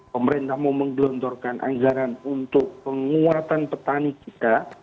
pemerintah mau menggelontorkan anggaran untuk penguatan petani kita